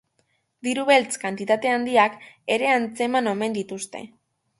Diru beltz kantitate handiak ere atzeman omen dituzte.